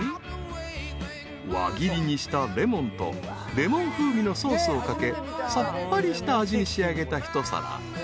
［輪切りにしたレモンとレモン風味のソースをかけさっぱりした味に仕上げた一皿］